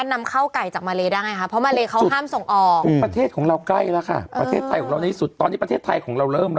เนื้อไก่ไม่พอให้กินไข่ไก่ไปก่อน